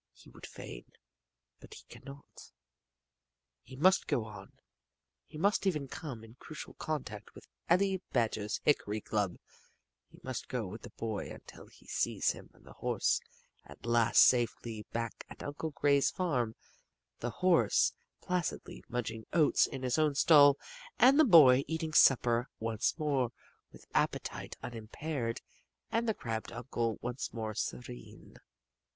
He would fain but he can not. He must go on he must even come in crucial contact with Eli Badger's hickory club he must go with the boy until he sees him and the horse at last safely back at Uncle Gray's farm, the horse placidly munching oats in his own stall, and the boy eating supper once more with appetite unimpaired, and the crabbed uncle once more serene.